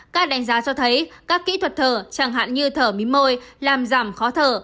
các đánh giá cho thấy các kỹ thuật thở chẳng hạn như thở mí môi làm giảm khó thở